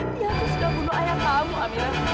dia tuh sudah bunuh ayah kamu amira